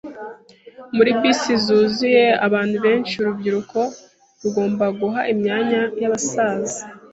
Muri bisi zuzuye abantu benshi urubyiruko rugomba guha imyanya yabasaza.